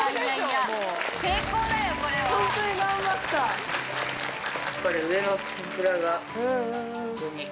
やっぱり上の。